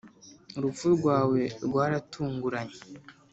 urupfu rwawe rwaratunguranye